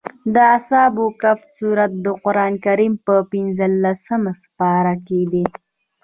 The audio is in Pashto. د اصحاب کهف سورت د قران په پنځلسمه سېپاره کې دی.